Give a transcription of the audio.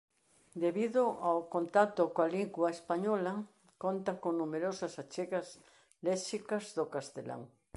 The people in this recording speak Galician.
Debido ao contacto coa lingua española conta con numerosas achegas léxicas do castelán.